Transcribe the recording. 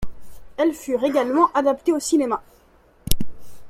Elles furent également adaptées au cinéma.